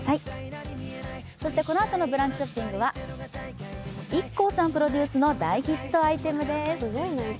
このあとのブランチショッピングは、ＩＫＫＯさんプロデュースの大ヒットアイテムです。